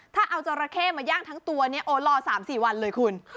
ถ้าเอาจราเข้มาย่างทั้งตัวเนี่ยโอ้รอ๓๔วันเลยคุณ